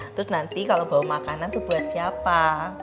terus nanti kalau bawa makanan itu buat siapa